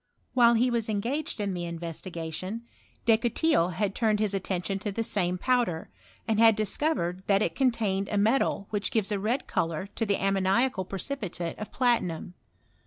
While he was engaged in the iavestigatioa, Descotils had turned biis atten tion to the same powder, and had discovered that it contained a metal which gives a red colour to the ammoniaca! precipitate of platinum.